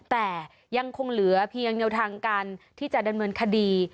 แต่ยังคงเหลือเพียงแนวทางการที่จะดำเนินคดี